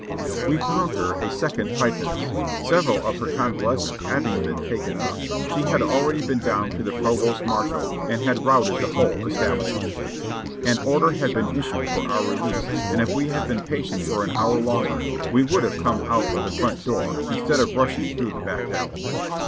We found her a second Pythoness ; several of her convalescents having been taken up, she had al ready been down to the provost marshal and had routed the whole establishment. An order had been issued for our release and if we had been patient for an hour longer w e w'ould have come out of the front door instead of rushing through the back alley.